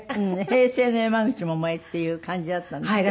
平成の山口百恵っていう感じだったんですって？